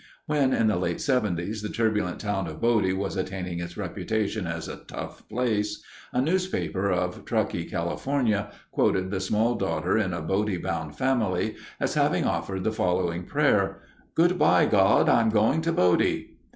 When, in the late 'seventies, the turbulent town of Bodie was attaining its reputation as a tough place, a newspaper of Truckee, California, quoted the small daughter in a Bodie bound family as having offered the following prayer: "Good by, God! I'm going to Bodie."